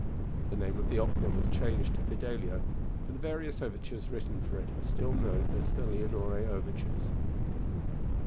The name of the opera was changed to Fidelio, but the various overtures written for it are still known as the Leonore overtures.